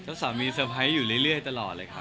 เจ้าสาวมีสังหรับสบายอยู่เรื่อยตลอดเลยครับ